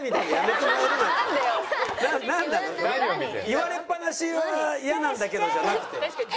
「言われっ放しはイヤなんだけど」じゃなくて。